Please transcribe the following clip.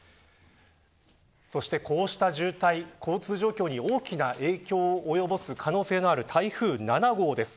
そしてこうした渋滞、交通状況に大きな影響を及ぼす可能性のある台風７号です。